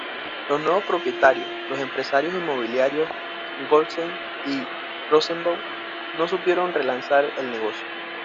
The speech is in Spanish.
Los nuevos propietarios, los empresarios inmobiliarios Goldstein y Rosenbaum, no supieron relanzar el negocio.